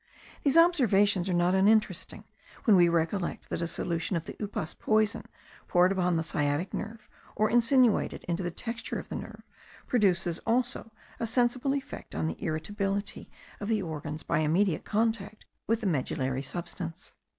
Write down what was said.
These observations are not uninteresting, when we recollect that a solution of the upas poison poured upon the sciatic nerve, or insinuated into the texture of the nerve, produces also a sensible effect on the irritability of the organs by immediate contact with the medullary substance.